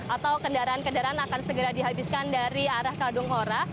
atau kendaraan kendaraan akan segera dihabiskan dari arah kadunghora